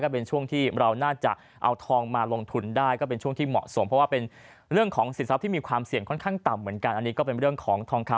เป็นช่วงที่เราน่าจะเอาทองมาลงทุนได้ก็เป็นช่วงที่เหมาะสมเพราะว่าเป็นเรื่องของสินทรัพย์ที่มีความเสี่ยงค่อนข้างต่ำเหมือนกันอันนี้ก็เป็นเรื่องของทองคำ